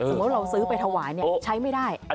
สมมุติเราไปซื้อถล่อยใช้ไม่ได้